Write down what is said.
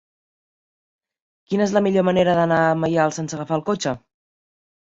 Quina és la millor manera d'anar a Maials sense agafar el cotxe?